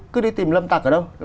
cứ đi tìm lâm tặc ở đâu